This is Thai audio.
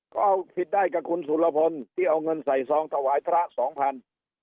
ก็เอาผิดได้กับคุณสุรพลที่เอาเงินใส่ซองถวายพระสองพัน